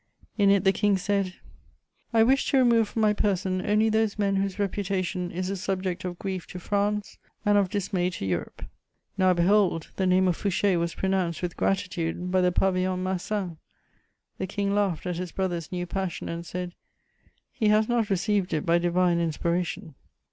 In it the King said: "I wish to remove from my person only those men whose reputation is a subject of grief to France and of dismay to Europe." Now behold, the name of Fouché was pronounced with gratitude by the Pavillon Marsan! The King laughed at his brother's new passion, and said: "He has not received it by divine inspiration."